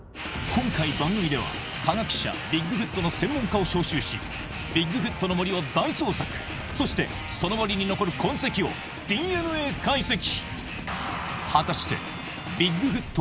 今回番組では科学者ビッグフットの専門家を招集しビッグフットの森を大捜索そしてその森に残る痕跡をＤＮＡ解析！